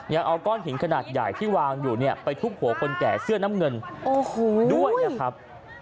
ยังเอาก้อนหินขนาดใหญ่ที่วางอยู่เนี่ยไปทุบหัวคนแก่เสื้อน้ำเงินโอ้โหด้วยนะครับ